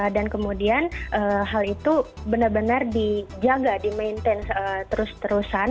dan kemudian hal itu benar benar dijaga dimaintain terus terusan